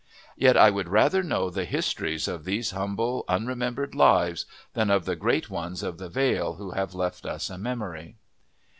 Yet I would rather know the histories of these humble, unremembered lives than of the great ones of the vale who have left us a memory.